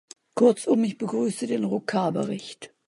Kurzum, ich begrüße den Rocard-Bericht.